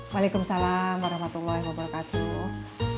waalaikumsalam warahmatullahi wabarakatuh